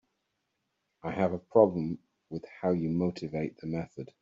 I have a problem with how you motivate the method.